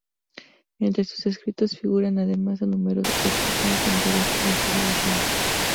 Entre sus escritos figuran, además de numerosos artículos en revistas especializadas